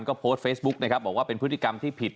ก็โพสต์เฟซบุ๊กนะครับบอกว่าเป็นพฤติกรรมที่ผิด